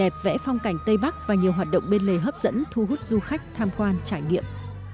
đẹp vẽ phong cảnh tây bắc và nhiều hoạt động bên lề hấp dẫn thu hút du khách tham quan trải nghiệm